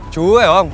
chú hiểu không